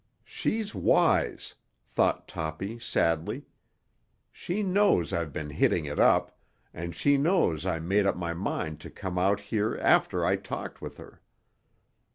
"She's wise," thought Toppy sadly. "She knows I've been hitting it up, and she knows I made up my mind to come out here after I talked with her.